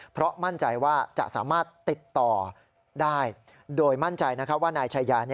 เพราะมั่นใจว่าจะสามารถติดต่อได้โดยมั่นใจว่านายชายา